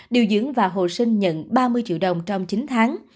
điều dưỡng và hồ sinh nhận ba mươi triệu đồng trong chín tháng